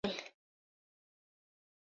Parte proporcional.